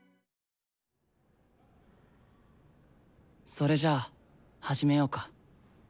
それじゃあ始めようか。